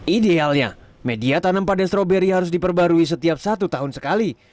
idealnya media tanam pada stroberi harus diperbarui setiap satu tahun sekali